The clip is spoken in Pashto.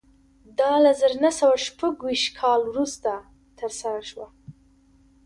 دا له زر نه سوه شپږ ویشت کال وروسته ترسره شوه